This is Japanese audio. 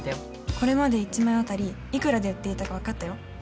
これまで１枚あたりいくらで売っていたかわかったよ。